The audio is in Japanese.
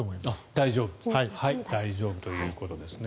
大丈夫ということですね。